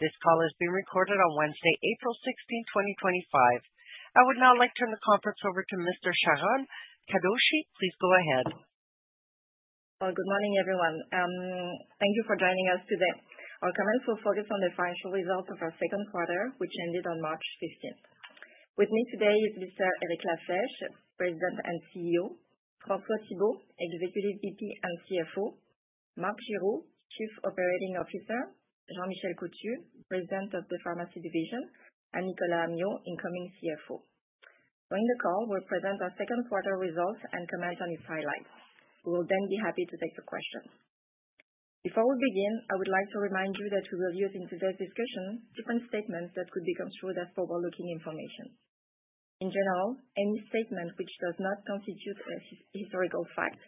This call is being recorded on Wednesday, April 16, 2025. I would now like to turn the conference over to Ms. Sharon Kadoche. Please go ahead. Good morning, everyone. Thank you for joining us today. Our comments will focus on the financial results of our second quarter, which ended on March 15. With me today is Mr. Eric La Flèche, President and CEO; François Thibault, Executive VP and CFO; Marc Giroux, Chief Operating Officer; Jean-Michel Coutu, President of the Pharmacy Division; and Nicolas Amyot, Incoming CFO. During the call, we'll present our second quarter results and comment on its highlights. We will then be happy to take your questions. Before we begin, I would like to remind you that we will use in today's discussion different statements that could be construed as forward-looking information. In general, any statement which does not constitute a historical fact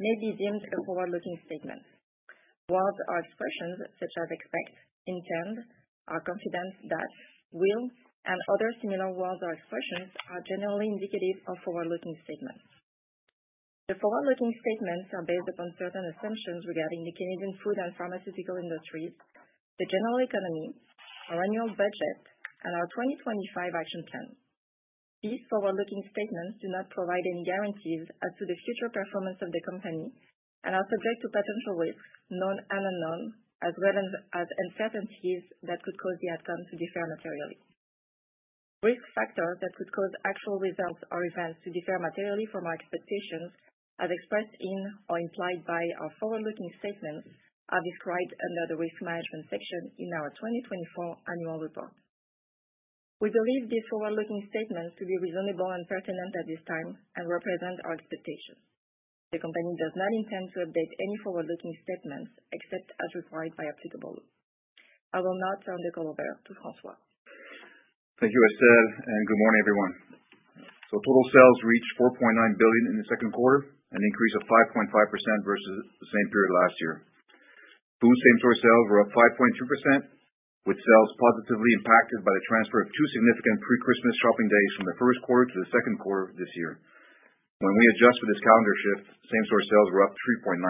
may be deemed a forward-looking statement. Words or expressions such as "expect," "intend," "are confident that," "will," and other similar words or expressions are generally indicative of forward-looking statements. The forward-looking statements are based upon certain assumptions regarding the Canadian food and pharmaceutical industries, the general economy, our annual budget, and our 2025 action plan. These forward-looking statements do not provide any guarantees as to the future performance of the company and are subject to potential risks, known and unknown, as well as uncertainties that could cause the outcome to differ materially. Risk factors that could cause actual results or events to differ materially from our expectations, as expressed in or implied by our forward-looking statements, are described under the Risk Management section in our 2024 Annual Report. We believe these forward-looking statements to be reasonable and pertinent at this time and represent our expectations. The company does not intend to update any forward-looking statements except as required by applicable law. I will now turn the call over to François. Thank you, Estelle, and good morning, everyone. Total sales reached $4.9 billion in the second quarter, an increase of 5.5% versus the same period last year. Food same-store sales were up 5.2%, with sales positively impacted by the transfer of two significant pre-Christmas shopping days from the first quarter to the second quarter this year. When we adjust for this calendar shift, same-store sales were up 3.9%.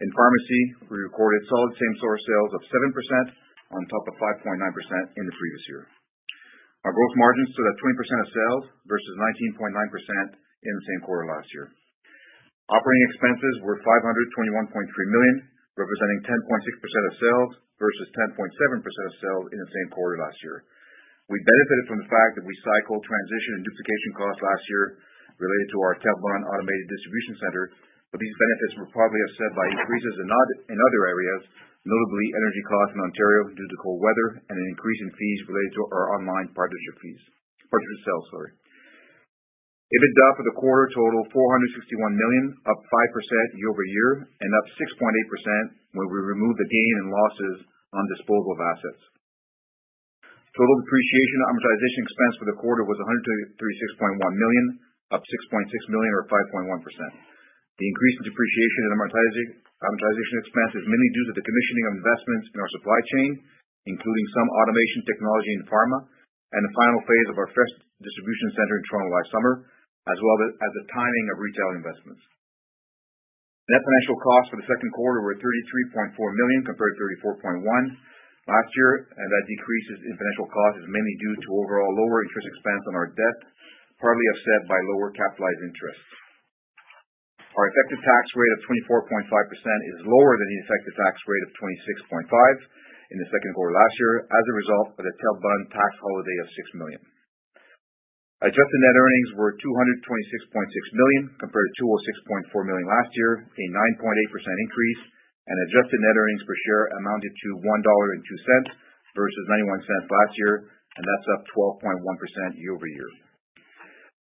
In pharmacy, we recorded solid same-store sales of 7% on top of 5.9% in the previous year. Our gross margins stood at 20% of sales versus 19.9% in the same quarter last year. Operating expenses were $521.3 million, representing 10.6% of sales versus 10.7% of sales in the same quarter last year. We benefited from the fact that we cycled transition and duplication costs last year related to our Terrebonne Automated Distribution Center, but these benefits were probably offset by increases in other areas, notably energy costs in Ontario due to cold weather and an increase in fees related to our online partnership sales. EBITDA for the quarter totaled $461 million, up 5% year-over-year, and up 6.8% when we removed the gains and losses on disposal of assets. Total depreciation and amortization expense for the quarter was $136.1 million, up $6.6 million or 5.1%. The increase in depreciation and amortization expense is mainly due to the commissioning of investments in our supply chain, including some automation technology in pharma, and the final phase of our Fresh Distribution Center in Toronto last summer, as well as the timing of retail investments. Net financial costs for the second quarter were $33.4 million compared to $34.1 million last year, and that decrease in financial costs is mainly due to overall lower interest expense on our debt, partly offset by lower capitalized interest. Our effective tax rate of 24.5% is lower than the effective tax rate of 26.5% in the second quarter last year as a result of the Terrebonne tax holiday of $6 million. Adjusted net earnings were $226.6 million compared to $206.4 million last year, a 9.8% increase, and adjusted net earnings per share amounted to $1.02 versus $0.91 last year, and that's up 12.1% year-over-year.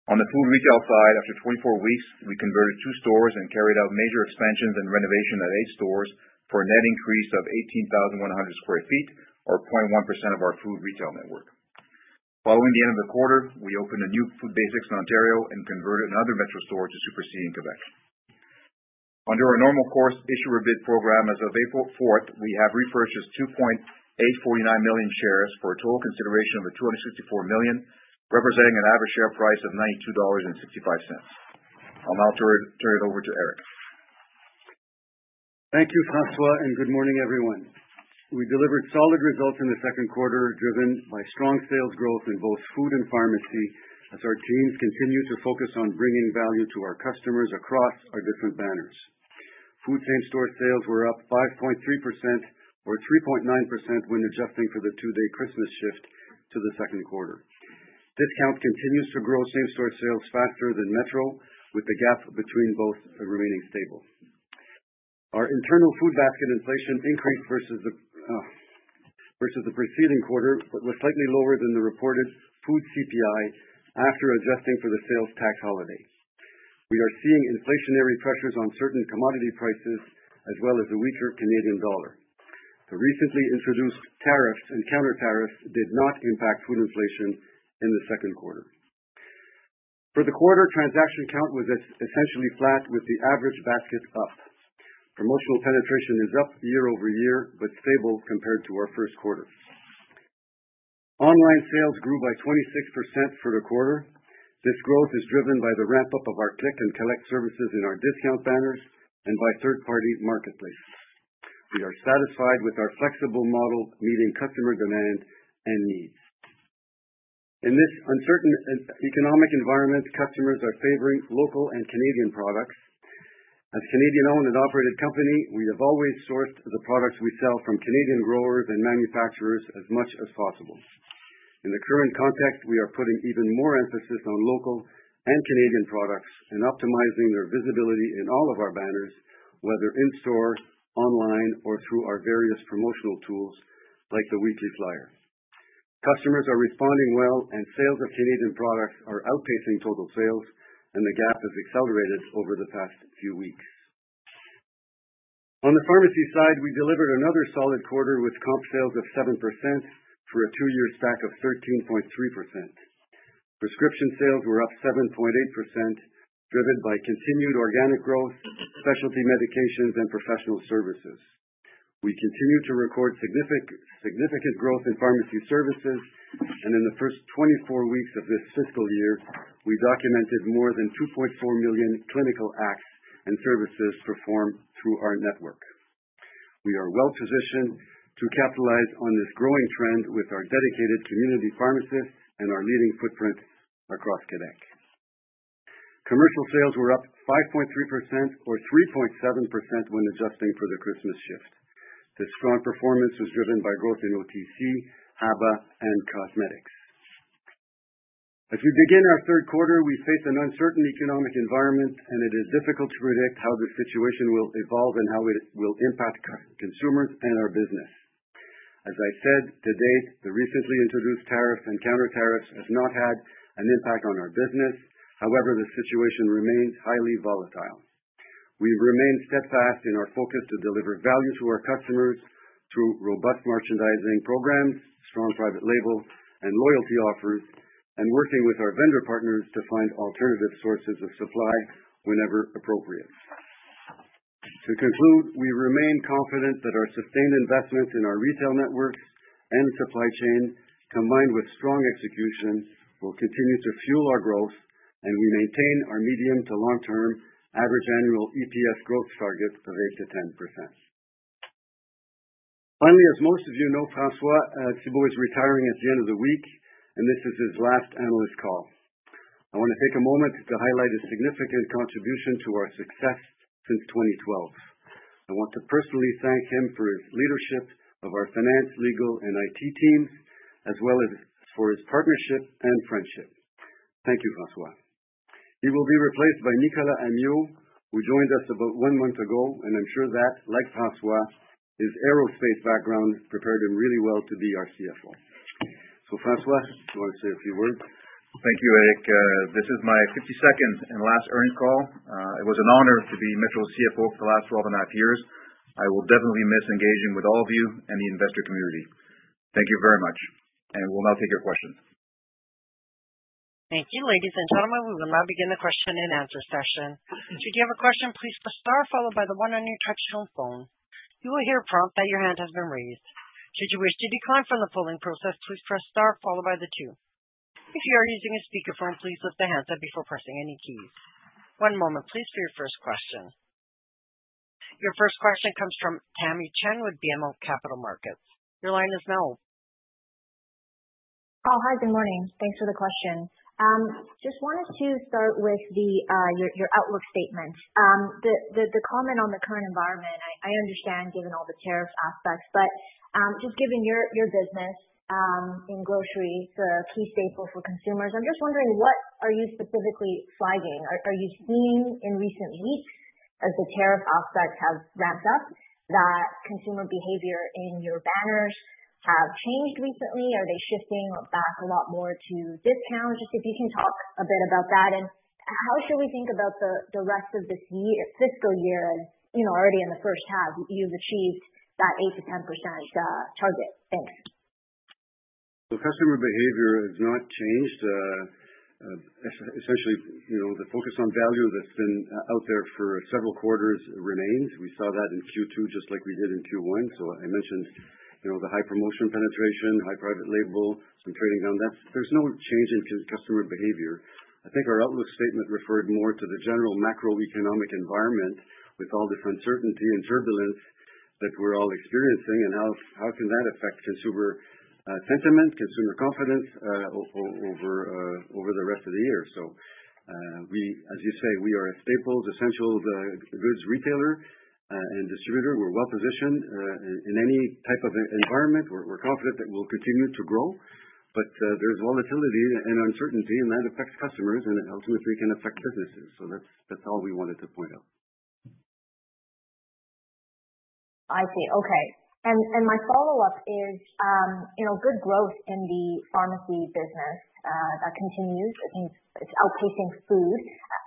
On the food retail side, after 24 weeks, we converted two stores and carried out major expansions and renovation at eight stores for a net increase of 18,100 sq ft, or 0.1% of our food retail network. Following the end of the quarter, we opened a new Food Basics in Ontario and converted another Metro store to Super C in Quebec. Under our normal course issuer bid program, as of April 4, we have repurchased 2.849 million shares for a total consideration of $264 million, representing an average share price of $92.65. I'll now turn it over to Eric. Thank you, François, and good morning, everyone. We delivered solid results in the second quarter driven by strong sales growth in both food and pharmacy as our teams continue to focus on bringing value to our customers across our different banners. Food same-store sales were up 5.3% or 3.9% when adjusting for the two-day Christmas shift to the second quarter. Discount continues to grow same-store sales faster than Metro, with the gap between both remaining stable. Our internal food basket inflation increased versus the preceding quarter but was slightly lower than the reported food CPI after adjusting for the sales tax holiday. We are seeing inflationary pressures on certain commodity prices as well as a weaker Canadian dollar. The recently introduced tariffs and counter-tariffs did not impact food inflation in the second quarter. For the quarter, transaction count was essentially flat, with the average basket up. Promotional penetration is up year-over-year but stable compared to our first quarter. Online sales grew by 26% for the quarter. This growth is driven by the ramp-up of our Click & Collect services in our discount banners and by third-party marketplaces. We are satisfied with our flexible model meeting customer demand and needs. In this uncertain economic environment, customers are favoring local and Canadian products. As a Canadian-owned and operated company, we have always sourced the products we sell from Canadian growers and manufacturers as much as possible. In the current context, we are putting even more emphasis on local and Canadian products and optimizing their visibility in all of our banners, whether in-store, online, or through our various promotional tools like the weekly flyer. Customers are responding well, and sales of Canadian products are outpacing total sales, and the gap has accelerated over the past few weeks. On the pharmacy side, we delivered another solid quarter with comp sales of 7% for a two-year stack of 13.3%. Prescription sales were up 7.8%, driven by continued organic growth, specialty medications, and professional services. We continue to record significant growth in pharmacy services, and in the first 24 weeks of this fiscal year, we documented more than 2.4 million clinical acts and services performed through our network. We are well-positioned to capitalize on this growing trend with our dedicated community pharmacists and our leading footprint across Quebec. Commercial sales were up 5.3% or 3.7% when adjusting for the Christmas shift. This strong performance was driven by growth in OTC, HABA, and cosmetics. As we begin our third quarter, we face an uncertain economic environment, and it is difficult to predict how the situation will evolve and how it will impact consumers and our business. As I said to date, the recently introduced tariffs and counter-tariffs have not had an impact on our business. However, the situation remains highly volatile. We remain steadfast in our focus to deliver value to our customers through robust merchandising programs, strong private label, and loyalty offers, and working with our vendor partners to find alternative sources of supply whenever appropriate. To conclude, we remain confident that our sustained investments in our retail networks and supply chain, combined with strong execution, will continue to fuel our growth, and we maintain our medium to long-term average annual EPS growth target of 8%-10%. Finally, as most of you know, François Thibault is retiring at the end of the week, and this is his last analyst call. I want to take a moment to highlight his significant contribution to our success since 2012. I want to personally thank him for his leadership of our finance, legal, and IT teams, as well as for his partnership and friendship. Thank you, François. He will be replaced by Nicolas Amyot, who joined us about one month ago, and I'm sure that, like François, his aerospace background prepared him really well to be our CFO. François, do you want to say a few words? Thank you, Eric. This is my 52nd and last earnings call. It was an honor to be Metro's CFO for the last 12 and a half years. I will definitely miss engaging with all of you and the investor community. Thank you very much, and we'll now take your questions. Thank you. Ladies and gentlemen, we will now begin the question and answer session. Should you have a question, please press star followed by the one on your touch tone phone. You will hear a prompt that your hand has been raised. Should you wish to decline from the polling process, please press star followed by the two. If you are using a speakerphone, please lift the handset before pressing any keys. One moment, please, for your first question. Your first question comes from Tammy Chen with BMO Capital Markets. Your line is now open. Oh, hi. Good morning. Thanks for the question. Just wanted to start with your outlook statement. The comment on the current environment, I understand given all the tariff aspects, but just given your business in grocery, the key staple for consumers, I'm just wondering, what are you specifically flagging? Are you seeing in recent weeks, as the tariff aspects have ramped up, that consumer behavior in your banners have changed recently? Are they shifting back a lot more to discounts? Just if you can talk a bit about that, and how should we think about the rest of this fiscal year? And already in the first half, you've achieved that 8%-10% target. Thanks. Customer behavior has not changed. Essentially, the focus on value that's been out there for several quarters remains. We saw that in Q2 just like we did in Q1. I mentioned the high promotion penetration, high private label, some trading down. There's no change in customer behavior. I think our outlook statement referred more to the general macroeconomic environment with all this uncertainty and turbulence that we're all experiencing, and how can that affect consumer sentiment, consumer confidence over the rest of the year? We, as you say, are a staples, essentials goods retailer and distributor. We're well-positioned in any type of environment. We're confident that we'll continue to grow, but there's volatility and uncertainty, and that affects customers and ultimately can affect businesses. That's all we wanted to point out. I see. Okay. My follow-up is good growth in the pharmacy business that continues. It's outpacing food.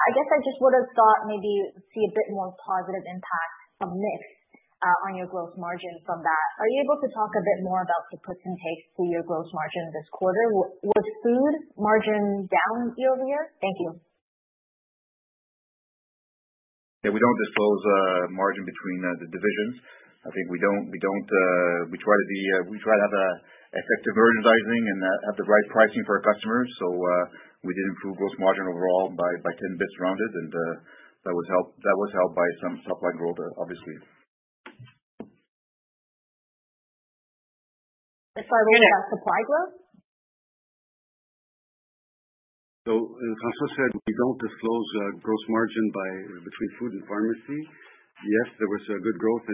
I guess I just would have thought maybe see a bit more positive impact, a mix on your gross margin from that. Are you able to talk a bit more about the puts and takes to your gross margin this quarter? Was food margin down year-over-year? Thank you. Yeah, we do not disclose margin between the divisions. I think we do not. We try to be, we try to have effective merchandising and have the right pricing for our customers. We did improve gross margin overall by 10 basis points, rounded, and that was helped by some supply growth, obviously. Sorry, what was that? Supply growth? François said we do not disclose gross margin between food and pharmacy. Yes, there was good growth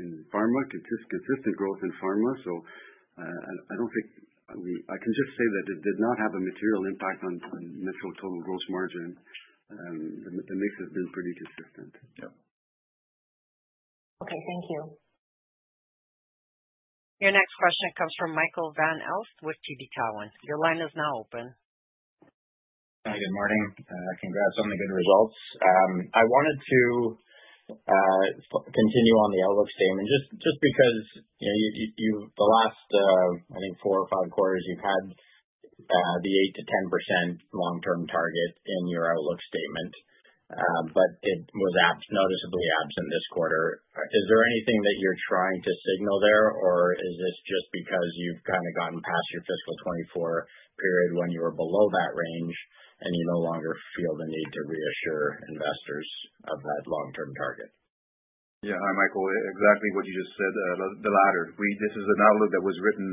in pharma, consistent growth in pharma. I do not think I can just say that it did not have a material impact on Metro's total gross margin. The mix has been pretty consistent. Yeah. Okay. Thank you. Your next question comes from Michael Van Aelst with TD Cowen. Your line is now open. Hi. Good morning. Congrats on the good results. I wanted to continue on the outlook statement just because the last, I think, four or five quarters, you've had the 8%-10% long-term target in your outlook statement, but it was noticeably absent this quarter. Is there anything that you're trying to signal there, or is this just because you've kind of gotten past your fiscal 2024 period when you were below that range, and you no longer feel the need to reassure investors of that long-term target? Yeah. Hi, Michael. Exactly what you just said, the latter. This is an outlook that was written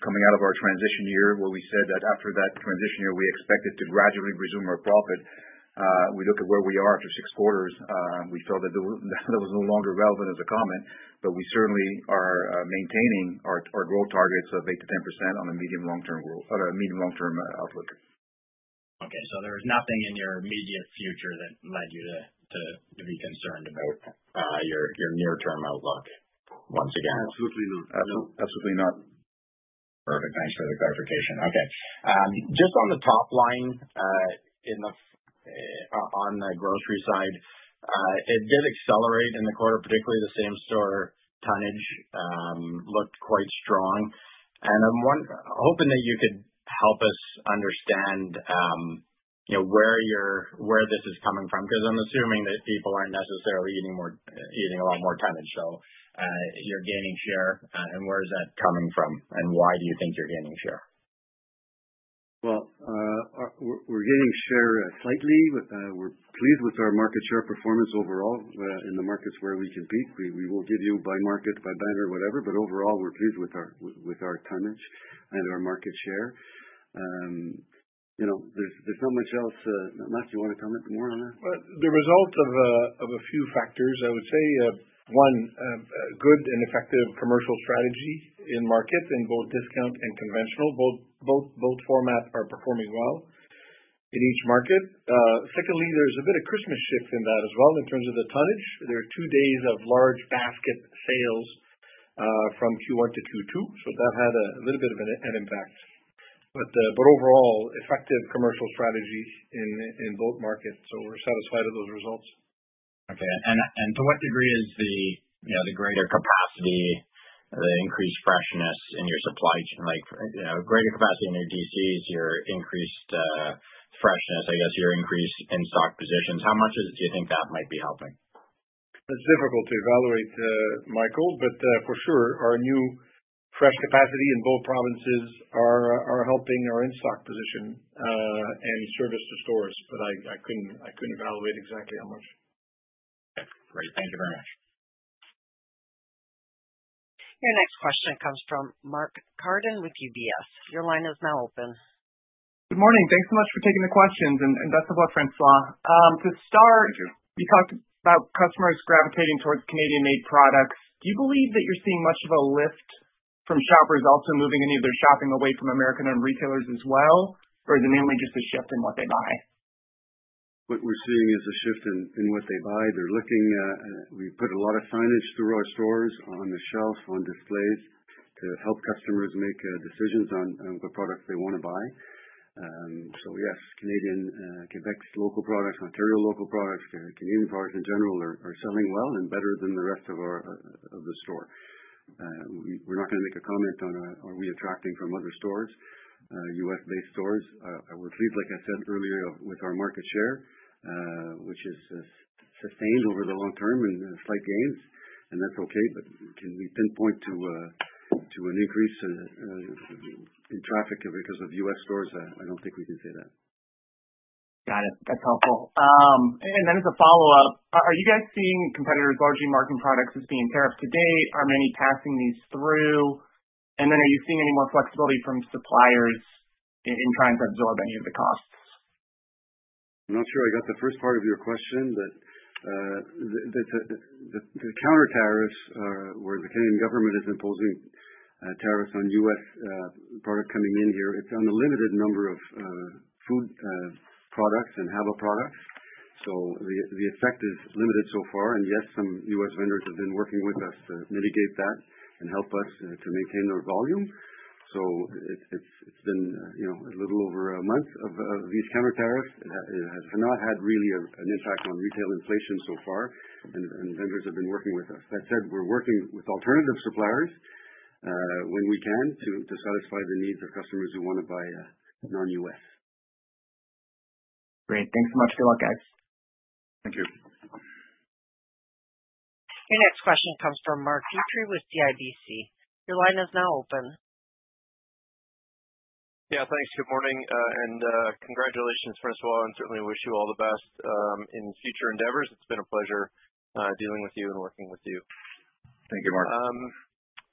coming out of our transition year where we said that after that transition year, we expected to gradually resume our profit. We look at where we are after six quarters. We felt that that was no longer relevant as a comment, but we certainly are maintaining our growth targets of 8%-10% on a medium-long-term outlook. Okay. There was nothing in your immediate future that led you to be concerned about your near-term outlook once again? Absolutely not. Absolutely not. Perfect. Thanks for the clarification. Okay. Just on the top line on the grocery side, it did accelerate in the quarter, particularly the same-store tonnage looked quite strong. I'm hoping that you could help us understand where this is coming from because I'm assuming that people aren't necessarily eating a lot more tonnage. You're gaining share, and where is that coming from, and why do you think you're gaining share? We're gaining share slightly. We're pleased with our market share performance overall in the markets where we compete. We will give you by market, by banner, whatever, but overall, we're pleased with our tonnage and our market share. There's not much else. Marc, do you want to comment more on that? The result of a few factors, I would say. One, good and effective commercial strategy in market in both discount and conventional. Both formats are performing well in each market. Secondly, there's a bit of Christmas shift in that as well in terms of the tonnage. There are two days of large basket sales from Q1 to Q2, so that had a little bit of an impact. Overall, effective commercial strategy in both markets. We're satisfied with those results. Okay. To what degree is the greater capacity, the increased freshness in your supply chain, like greater capacity in your DCs, your increased freshness, I guess, your increase in stock positions? How much do you think that might be helping? That's difficult to evaluate, Michael, but for sure, our new fresh capacity in both provinces are helping our in-stock position and service to stores, but I couldn't evaluate exactly how much. Okay. Great. Thank you very much. Your next question comes from Mark Carden with UBS. Your line is now open. Good morning. Thanks so much for taking the questions. Best of luck, François. To start, you talked about customers gravitating towards Canadian-made products. Do you believe that you're seeing much of a lift from shoppers also moving any of their shopping away from American-run retailers as well, or is it mainly just a shift in what they buy? What we're seeing is a shift in what they buy. We put a lot of signage through our stores on the shelf, on displays to help customers make decisions on what products they want to buy. Yes, Canadian, Quebec's local products, Ontario local products, Canadian products in general are selling well and better than the rest of the store. We're not going to make a comment on are we attracting from other stores, U.S.-based stores. We're pleased, like I said earlier, with our market share, which is sustained over the long term and slight gains, and that's okay. Can we pinpoint to an increase in traffic because of U.S. stores? I don't think we can say that. Got it. That's helpful. As a follow-up, are you guys seeing competitors largely marketing products as being tariffed to date? Are many passing these through? Are you seeing any more flexibility from suppliers in trying to absorb any of the costs? I'm not sure I got the first part of your question, but the counter-tariffs where the Canadian government is imposing tariffs on U.S. products coming in here, it's on a limited number of food products and HABA products. The effect is limited so far. Yes, some U.S. vendors have been working with us to mitigate that and help us to maintain our volume. It's been a little over a month of these counter-tariffs. It has not had really an impact on retail inflation so far, and vendors have been working with us. That said, we're working with alternative suppliers when we can to satisfy the needs of customers who want to buy non-U.S. Great. Thanks so much. Good luck, guys. Thank you. Your next question comes from Mark Petrie with CIBC. Your line is now open. Yeah. Thanks. Good morning and congratulations, François. Certainly wish you all the best in future endeavors. It's been a pleasure dealing with you and working with you. Thank you, Mark.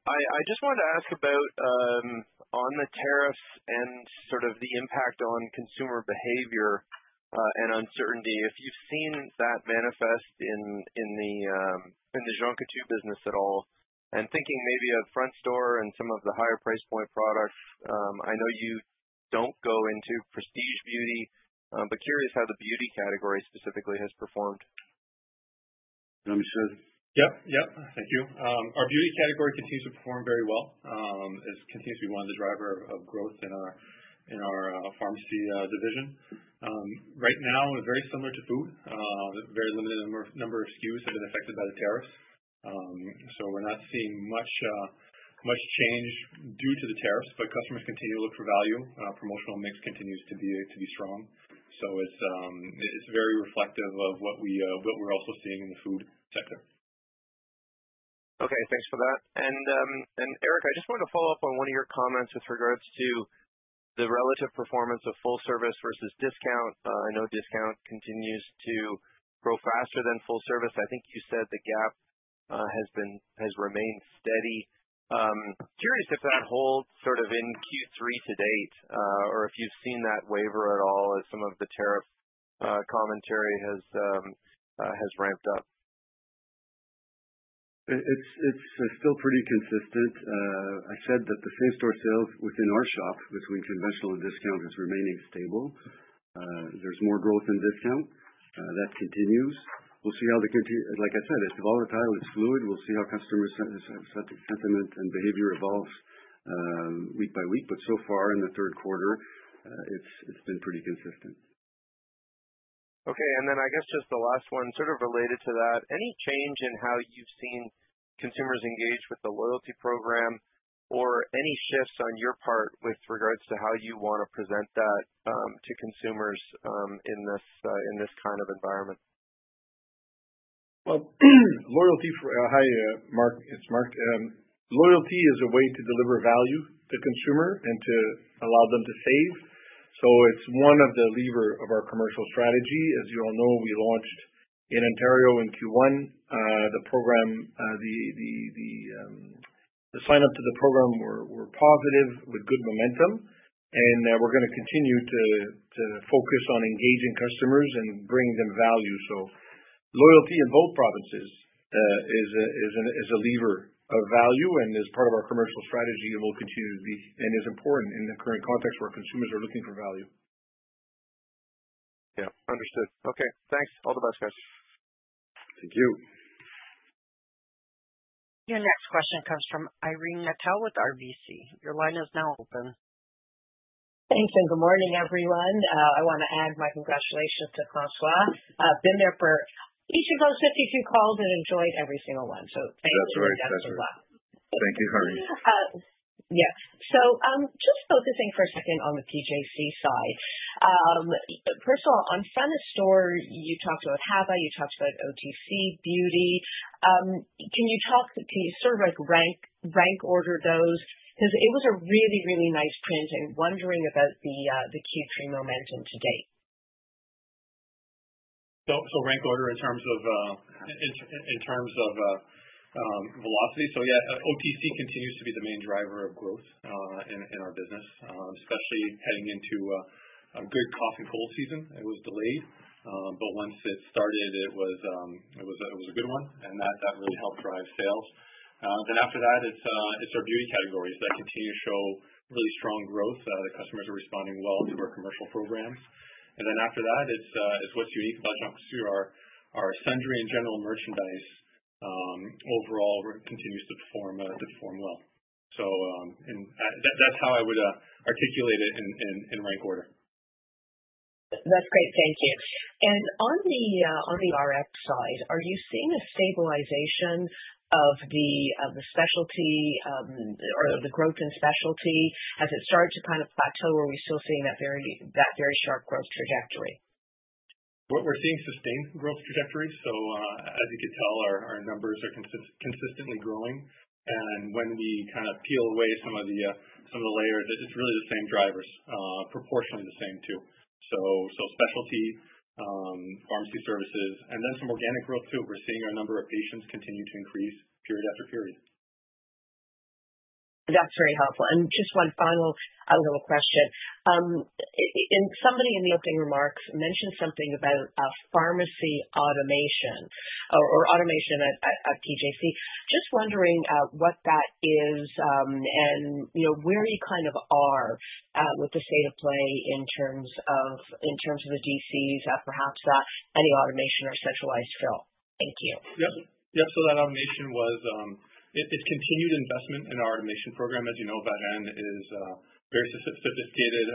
I just wanted to ask about on the tariffs and sort of the impact on consumer behavior and uncertainty, if you've seen that manifest in the Jean Coutu business at all. Thinking maybe of front store and some of the higher price point products, I know you don't go into prestige beauty, but curious how the beauty category specifically has performed. Let me share. Yep. Yep. Thank you. Our beauty category continues to perform very well. It continues to be one of the drivers of growth in our pharmacy division. Right now, it's very similar to food. Very limited number of SKUs have been affected by the tariffs. We are not seeing much change due to the tariffs, but customers continue to look for value. Promotional mix continues to be strong. It is very reflective of what we are also seeing in the food sector. Okay. Thanks for that. Eric, I just wanted to follow up on one of your comments with regards to the relative performance of full service versus discount. I know discount continues to grow faster than full service. I think you said the gap has remained steady. Curious if that holds sort of in Q3 to date or if you've seen that waver at all as some of the tariff commentary has ramped up. It's still pretty consistent. I said that the same-store sales within our shop between conventional and discount is remaining stable. There's more growth in discount. That continues. We'll see how, like I said, it's volatile. It's fluid. We'll see how customer sentiment and behavior evolves week by week. So far in the third quarter, it's been pretty consistent. Okay. I guess just the last one, sort of related to that, any change in how you've seen consumers engage with the loyalty program or any shifts on your part with regards to how you want to present that to consumers in this kind of environment? Loyalty for hi, Mark. It's Marc. Loyalty is a way to deliver value to consumer and to allow them to save. It is one of the levers of our commercial strategy. As you all know, we launched in Ontario in Q1. The program, the sign-up to the program were positive with good momentum. We are going to continue to focus on engaging customers and bringing them value. Loyalty in both provinces is a lever of value and is part of our commercial strategy and will continue to be and is important in the current context where consumers are looking for value. Yeah. Understood. Okay. Thanks. All the best, guys. Thank you. Your next question comes from Irene Nattel with RBC. Your line is now open. Thanks. Good morning, everyone. I want to add my congratulations to François. I've been there for each of those 52 calls and enjoyed every single one. Thank you guys as well. That's right. That's right. Thank you, Irene. Yeah. Just focusing for a second on the PJC side. First of all, on front of store, you talked about HABA. You talked about OTC beauty. Can you sort of rank order those? Because it was a really, really nice print and wondering about the Q3 momentum to date. Rank order in terms of velocity? Yeah, OTC continues to be the main driver of growth in our business, especially heading into a good cough and cold season. It was delayed, but once it started, it was a good one. That really helped drive sales. After that, it's our beauty categories that continue to show really strong growth. The customers are responding well to our commercial programs. After that, what's unique about Jean Coutu, our sundry and general merchandise overall continues to perform well. That's how I would articulate it in rank order. That's great. Thank you. On the Rx side, are you seeing a stabilization of the specialty or the growth in specialty? Has it started to kind of plateau or are we still seeing that very sharp growth trajectory? We're seeing sustained growth trajectories. As you can tell, our numbers are consistently growing. When we kind of peel away some of the layers, it's really the same drivers, proportionally the same too. Specialty, pharmacy services, and then some organic growth too. We're seeing our number of patients continue to increase period after period. That's very helpful. Just one final little question. Somebody in the opening remarks mentioned something about pharmacy automation or automation at PJC. Just wondering what that is and where you kind of are with the state of play in terms of the DCs, perhaps any automation or centralized fill. Thank you. Yep. Yep. That automation was, it's continued investment in our automation program. As you know, Varennes is a very sophisticated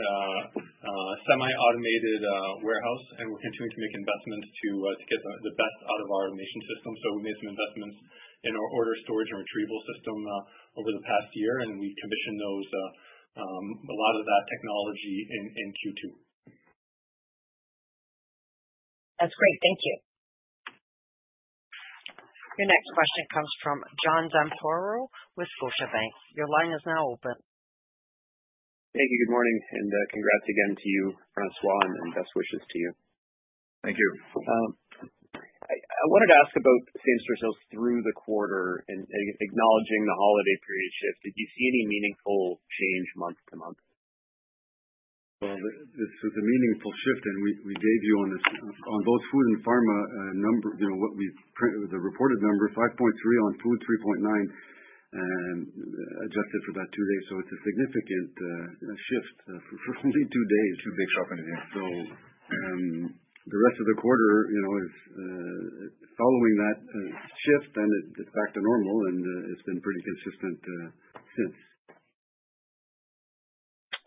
semi-automated warehouse, and we're continuing to make investments to get the best out of our automation system. We made some investments in our order storage and retrieval system over the past year, and we commissioned a lot of that technology in Q2. That's great. Thank you. Your next question comes from John Zamparo with Scotiabank. Your line is now open. Thank you. Good morning. And congrats again to you, François, and best wishes to you. Thank you. I wanted to ask about same-store sales through the quarter and acknowledging the holiday period shift. Did you see any meaningful change month to month? This was a meaningful shift, and we gave you on both food and pharma number, what we the reported number, 5.3% on food, 3.9% adjusted for that two days. It is a significant shift for only two days. Two big shopping days. The rest of the quarter is following that shift, then it's back to normal, and it's been pretty consistent since.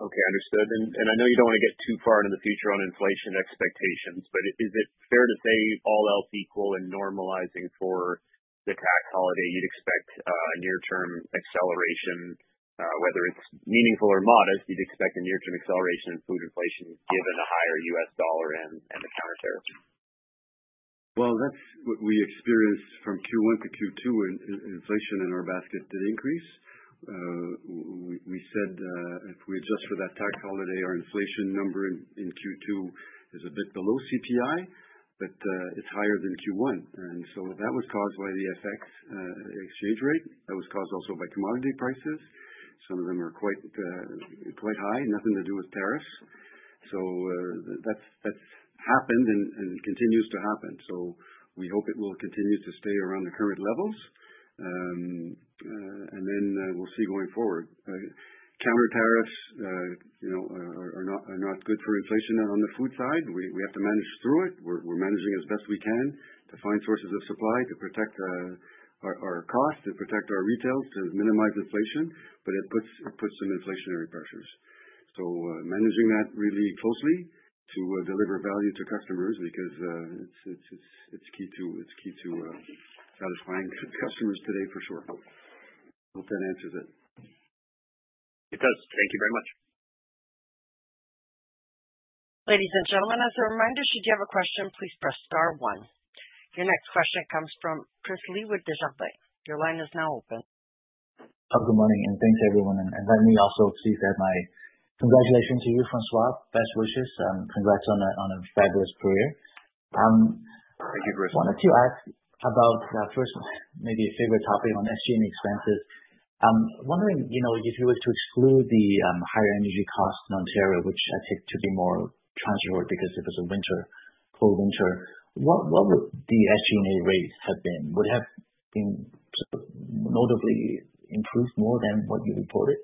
Okay. Understood. I know you don't want to get too far into the future on inflation expectations, but is it fair to say all else equal and normalizing for the tax holiday, you'd expect a near-term acceleration, whether it's meaningful or modest, you'd expect a near-term acceleration in food inflation given a higher US dollar and the counter-tariffs? That's what we experienced from Q1 to Q2. Inflation in our basket did increase. We said if we adjust for that tax holiday, our inflation number in Q2 is a bit below CPI, but it's higher than Q1. That was caused by the FX exchange rate. That was caused also by commodity prices. Some of them are quite high, nothing to do with tariffs. That has happened and continues to happen. We hope it will continue to stay around the current levels. We will see going forward. Counter-tariffs are not good for inflation on the food side. We have to manage through it. We're managing as best we can to find sources of supply to protect our costs, to protect our retails, to minimize inflation, but it puts some inflationary pressures. Managing that really closely to deliver value to customers because it's key to satisfying customers today for sure. I hope that answers it. It does. Thank you very much. Ladies and gentlemen, as a reminder, should you have a question, please press star one. Your next question comes from Chris Li with Desjardins. Your line is now open. Good morning and thanks, everyone. Let me also please add my congratulations to you, François. Best wishes and congrats on a fabulous career. Thank you, Chris. I wanted to ask about first, maybe a favorite topic on SG&A expenses. I'm wondering if you were to exclude the higher energy cost in Ontario, which I take to be more transferred because it was a winter, cold winter, what would the SG&A rate have been? Would it have been notably improved more than what you reported?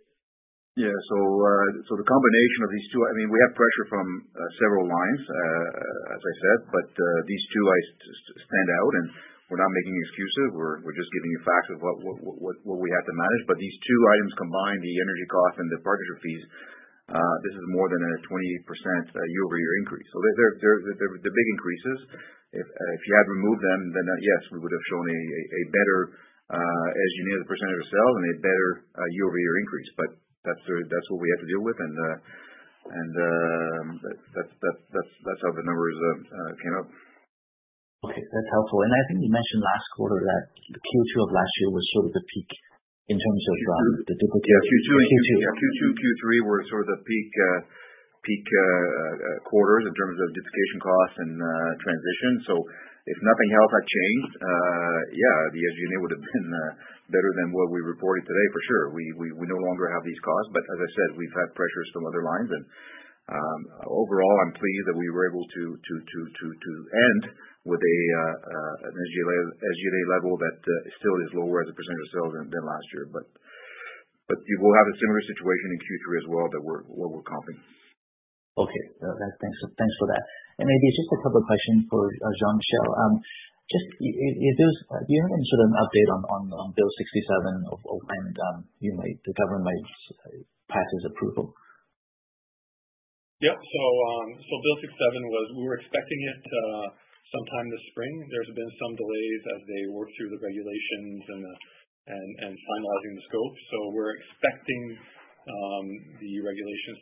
Yeah. The combination of these two, I mean, we have pressure from several lines, as I said, but these two stand out. We're not making excuses. We're just giving you facts of what we had to manage. These two items combined, the energy cost and the partnership fees, this is more than a 20% year-over-year increase. They're big increases. If you had removed them, then yes, we would have shown a better SG&A as a percentage of sales and a better year-over-year increase. That's what we had to deal with. That's how the numbers came up. Okay. That's helpful. I think you mentioned last quarter that Q2 of last year was sort of the peak in terms of the duplication. Q2 and Q3 were sort of the peak quarters in terms of duplication costs and transition. If nothing else had changed, yeah, the SG&A would have been better than what we reported today for sure. We no longer have these costs. As I said, we've had pressures from other lines. Overall, I'm pleased that we were able to end with an SG&A level that still is lower as a percentage of sales than last year. You will have a similar situation in Q3 as well that we're comping. Okay. Thanks for that. Maybe just a couple of questions for Jean-Michel. Do you have any sort of update on Bill 67, if and when the government might pass its approval? Yep. Bill 67, we were expecting it sometime this spring. There have been some delays as they work through the regulations and finalizing the scope. We are expecting the regulations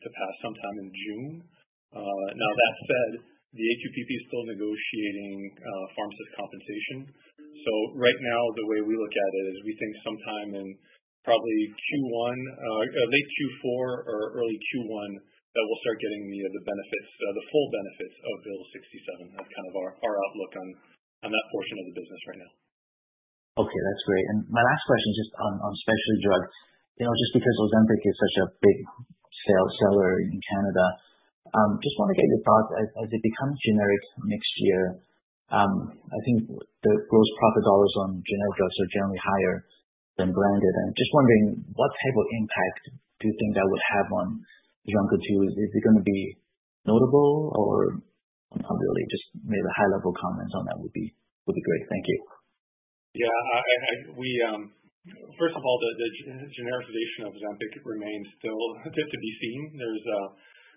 to pass sometime in June. That said, the AQPP is still negotiating pharmacist compensation. Right now, the way we look at it is we think sometime in probably Q1, late Q4, or early Q1 that we will start getting the full benefits of Bill 67. That is kind of our outlook on that portion of the business right now. Okay. That's great. My last question just on specialty drugs, just because Ozempic is such a big seller in Canada, just want to get your thoughts. As it becomes generic next year, I think the gross profit dollars on generic drugs are generally higher than branded. Just wondering what type of impact do you think that would have on Jean Coutu. Is it going to be notable or not really? Just maybe a high-level comment on that would be great. Thank you. Yeah. First of all, the genericization of Ozempic remains still to be seen.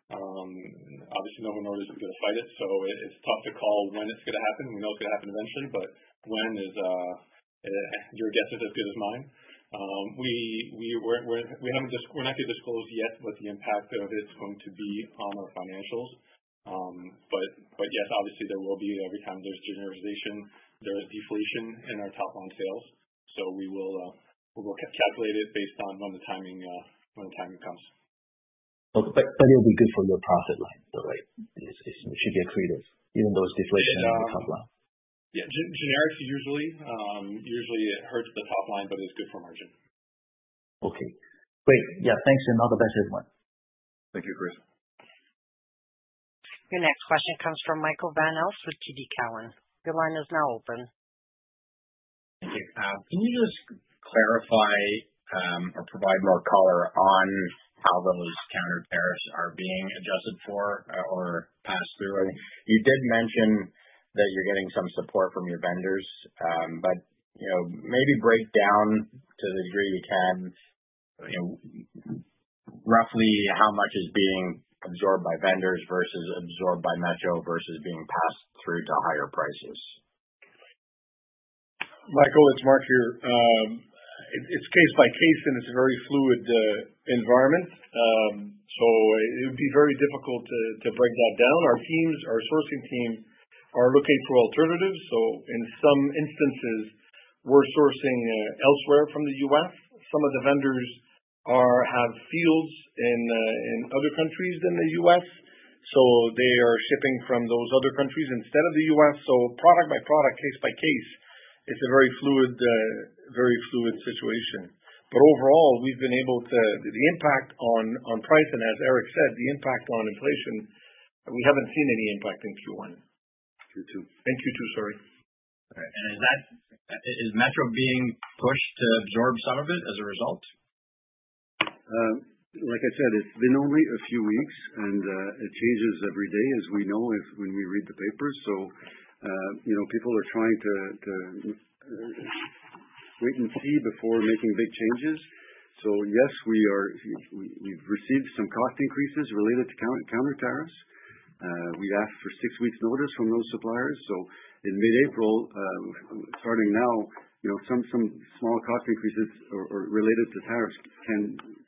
Obviously, no one knows if we're going to fight it. It's tough to call when it's going to happen. We know it's going to happen eventually, but when is your guess is as good as mine. We're not going to disclose yet what the impact of it's going to be on our financials. Yes, obviously, there will be every time there's genericization, there is deflation in our top-line sales. We will calculate it based on when the timing comes. It will be good for your profit line, though, right? It should be accretive, even though it's deflation in the top line. Yeah. Generics usually hurt the top line, but it's good for margin. Okay. Great. Yeah. Thanks. All the best everyone. Thank you, Chris. Your next question comes from Michael Van Aelst with TD Cowen. Your line is now open. Thank you. Can you just clarify or provide more color on how those counter-tariffs are being adjusted for or passed through? You did mention that you're getting some support from your vendors, but maybe break down to the degree you can roughly how much is being absorbed by vendors versus absorbed by Metro versus being passed through to higher prices. Michael, it's Marc here. It's case by case, and it's a very fluid environment. It would be very difficult to break that down. Our sourcing team are looking for alternatives. In some instances, we're sourcing elsewhere from the U.S. Some of the vendors have fields in other countries than the U.S., so they are shipping from those other countries instead of the U.S. Product by product, case by case, it's a very fluid situation. Overall, we've been able to, the impact on price and, as Eric said, the impact on inflation, we haven't seen any impact in Q1. Q2. In Q2, sorry. Is Metro being pushed to absorb some of it as a result? Like I said, it's been only a few weeks, and it changes every day, as we know when we read the papers. People are trying to wait and see before making big changes. Yes, we've received some cost increases related to counter-tariffs. We asked for six weeks' notice from those suppliers. In mid-April, starting now, some small cost increases related to tariffs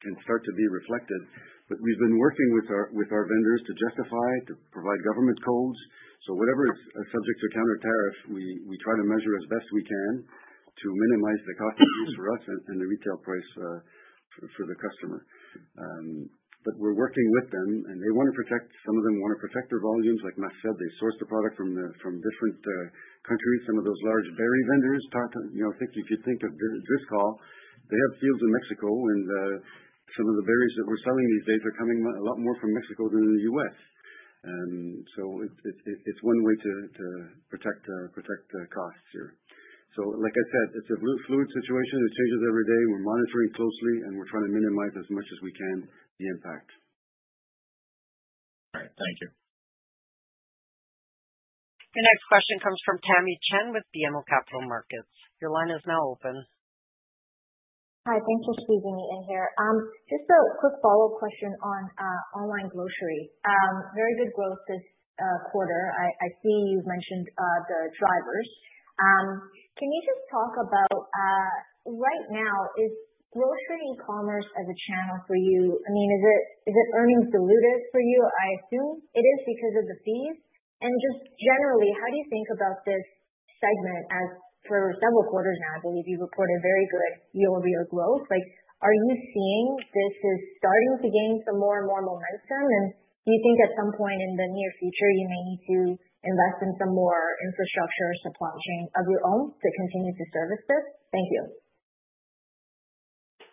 can start to be reflected. We've been working with our vendors to justify it, to provide government codes. Whatever is subject to counter-tariff, we try to measure as best we can to minimize the cost increase for us and the retail price for the customer. We're working with them, and some of them want to protect their volumes. Like Marc said, they source the product from different countries, some of those large berry vendors. If you think of Driscoll's, they have fields in Mexico, and some of the berries that we're selling these days are coming a lot more from Mexico than the U.S. It is one way to protect costs here. Like I said, it's a fluid situation. It changes every day. We're monitoring closely, and we're trying to minimize as much as we can the impact. All right. Thank you. Your next question comes from Tamy Chen with BMO Capital Markets. Your line is now open. Hi. Thanks for squeezing me in here. Just a quick follow-up question on online grocery. Very good growth this quarter. I see you've mentioned the drivers. Can you just talk about right now, is grocery e-commerce as a channel for you? I mean, is it earnings diluted for you? I assume it is because of the fees. And just generally, how do you think about this segment? For several quarters now, I believe you reported very good year-over-year growth. Are you seeing this is starting to gain some more and more momentum? And do you think at some point in the near future, you may need to invest in some more infrastructure or supply chain of your own to continue to service this? Thank you.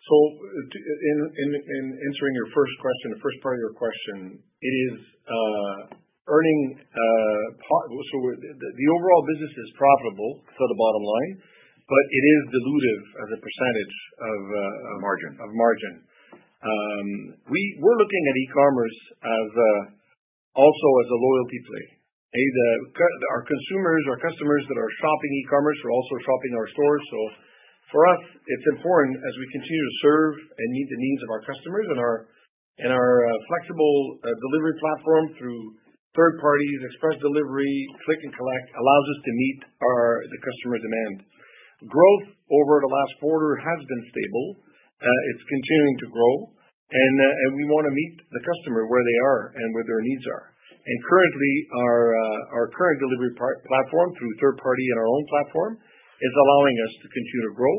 In answering your first question, the first part of your question, it is earning so the overall business is profitable for the bottom line, but it is diluted as a percentage of margin. Of margin. We're looking at e-commerce also as a loyalty play. Our consumers, our customers that are shopping e-commerce are also shopping our stores. For us, it's important as we continue to serve and meet the needs of our customers and our flexible delivery platform through third parties, express delivery, click and collect, allows us to meet the customer demand. Growth over the last quarter has been stable. It's continuing to grow. We want to meet the customer where they are and where their needs are. Currently, our current delivery platform through third party and our own platform is allowing us to continue to grow.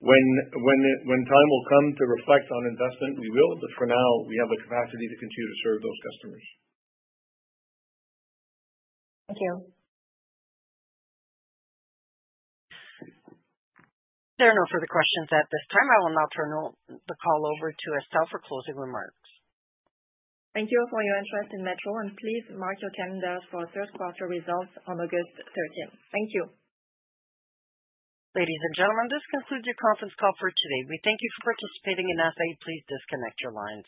When time will come to reflect on investment, we will. For now, we have the capacity to continue to serve those customers. Thank you. There are no further questions at this time. I will now turn the call over to Estelle for closing remarks. Thank you for your interest in Metro. Please mark your calendars for third quarter results on August 13th. Thank you. Ladies and gentlemen, this concludes your conference call for today. We thank you for participating in FA. Please disconnect your lines.